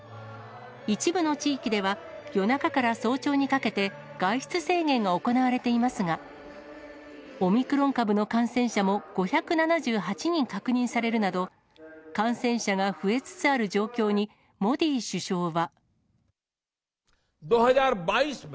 一部の地域では、夜中から早朝にかけて、外出制限が行われていますが、オミクロン株の感染者も５７８人確認されるなど、感染者が増えつつある状況に、モディ首相は。